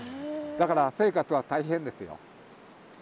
だから生活は大変ですよ。